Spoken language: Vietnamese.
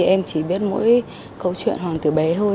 em chỉ biết mỗi câu chuyện hoàng từ bé thôi